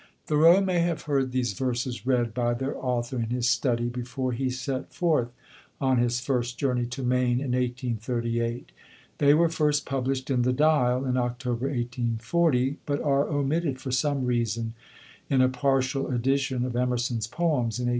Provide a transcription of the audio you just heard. Thoreau may have heard these verses read by their author in his study, before he set forth on his first journey to Maine in 1838; they were first published in the "Dial" in October, 1840, but are omitted, for some reason, in a partial edition of Emerson's Poems (in 1876).